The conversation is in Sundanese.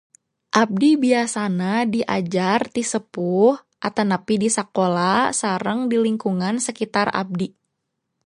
Abdi biasana diajar ti sepuh atanapi di sakola sareng di lingkungan sakitar abdi.